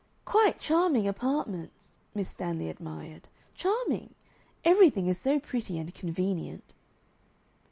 "Quite charming apartments," Miss Stanley admired; "charming! Everything is so pretty and convenient."